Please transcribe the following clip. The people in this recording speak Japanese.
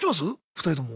２人とも。